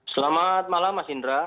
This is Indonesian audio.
selamat malam mas indra